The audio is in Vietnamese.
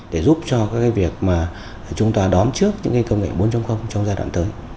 để giúp cho việc chúng ta đón trước những công nghệ bốn trong giai đoạn tới